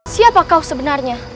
siapa kau sebenarnya